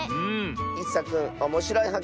いっさくんおもしろいはっ